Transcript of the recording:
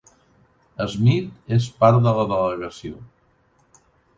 Smith és part de la delegació.